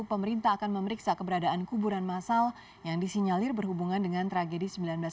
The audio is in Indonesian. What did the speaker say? pemerintah akan memeriksa keberadaan kuburan masal yang disinyalir berhubungan dengan tragedi seribu sembilan ratus sembilan puluh